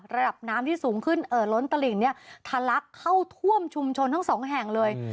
ระดับน้ำที่สูงขึ้นเอ่อล้นตลิ่งเนี่ยทะลักเข้าท่วมชุมชนทั้งสองแห่งเลย